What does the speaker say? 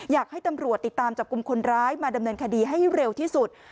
อยากให้ตำรวจติดตามจับกลุ่มคนร้ายมาดำเนินคดีให้เร็วที่สุด